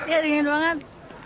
ya dingin banget